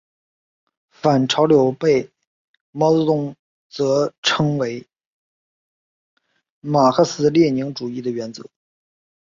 反潮流被毛泽东称为马克思列宁主义的原则。